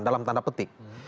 dalam tanda petik